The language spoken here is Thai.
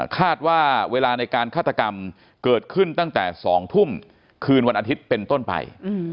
คาดว่าเวลาในการฆาตกรรมเกิดขึ้นตั้งแต่๒ทุ่มคืนวันอาทิตย์เป็นต้นไป